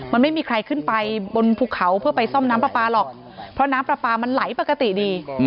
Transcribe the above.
มันไม่มีใครขึ้นไปบนภูเขาเพื่อไปซ่อมน้ำปลาปลาหรอกเพราะน้ำปลาปลามันไหลปกติดี